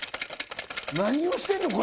何をしてんねん？